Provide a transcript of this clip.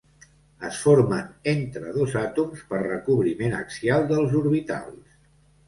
Es formen entre dos àtoms per recobriment axial dels orbitals.